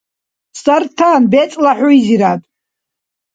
Сартан бецӏла хӏуйзирад